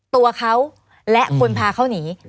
ตัวเขาและคนพาเขาหนี